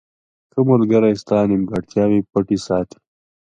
• ښه ملګری ستا نیمګړتیاوې پټې ساتي.